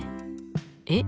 えっ？